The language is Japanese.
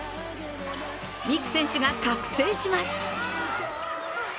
美空選手が覚醒します。